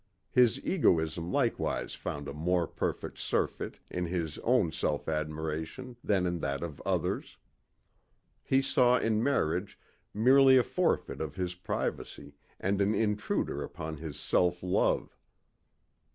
His egoism likewise found a more perfect surfeit in his own self admiration than in that of others. He saw in marriage merely a forfeit of his privacy and an intruder upon his self love.